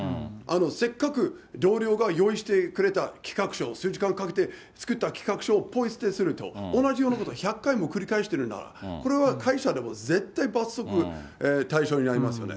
せっかく同僚が用意してくれた企画書、数時間かけて作った企画書をポイ捨てすると、同じようなこと１００回も繰り返しているような、これは会社でも絶対罰則対象になりますよね。